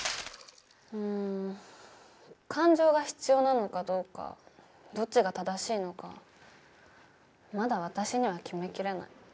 うん感情が必要なのかどうかどっちが正しいのかまだ私には決めきれない。